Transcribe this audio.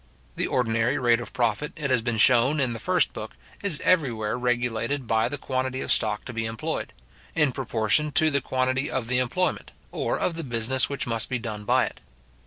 The ordinary rate of profit, it has been shewn, in the first book, is everywhere regulated by the quantity of stock to be employed, in proportion to the quantity of the employment, or of the business which must be done by it.